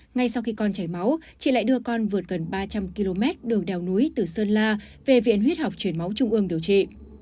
ngay sau khi con chảy máu chị lại đưa con vượt gần ba trăm linh km đường đèo núi từ sơn la về viện huyết học truyền máu trung ương điều trị